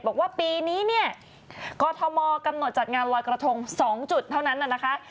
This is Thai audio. บอกว่าปีนี้เนี่ยกรทมกำหนดจัดงานลอยกระทง๒จุดเท่านั้นน่ะนะคะ